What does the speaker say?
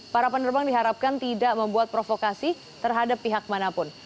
para penerbang diharapkan tidak membuat provokasi terhadap pihak manapun